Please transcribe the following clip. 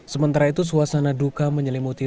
sementara itu suasana duka menyelimuti